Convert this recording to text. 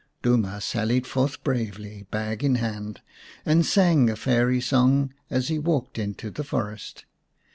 Duma sallied forth bravely, bag in hand, and sang a fairy song as he walked into the forest.